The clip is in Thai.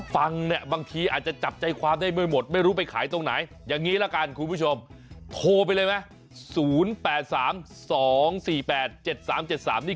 ฟังเนี่ยบางทีอาจจะจับใจความได้ไม่หมดไม่รู้ไปขายตรงไหนอย่างนี้ละกันคุณผู้ชมโทรไปเลยไหม๐๘๓๒๔๘๗๓๗๓นี่